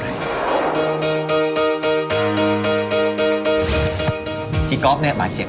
ที่เกอร์ฟนี่บาตรเจ็บมึงบาตรเจ็บ